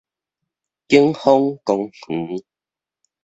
景豐公園